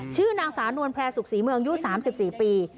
ชื่อนางศานวรแปรสุขศรีเมืองยูดสามสิบสิบปี